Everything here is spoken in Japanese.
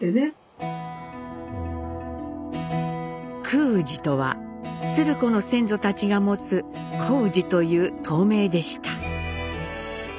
クー氏とは鶴子の先祖たちが持つ胡氏という唐名でした。